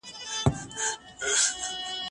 زه تمرين نه کوم،